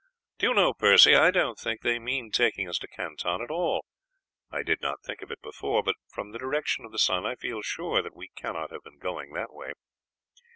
Do you know, Percy, I don't think they mean taking us to Canton at all. I did not think of it before, but from the direction of the sun I feel sure that we cannot have been going that way.